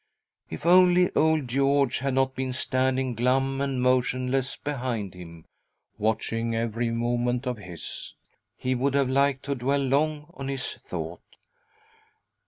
If only old George had not been standing glum and motionless behind him, watching every movement of his, he would have liked to dwell long on this thought.